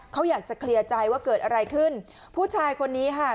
เขาอยากจะเคลียร์ใจว่าเกิดอะไรขึ้นผู้ชายคนนี้ค่ะ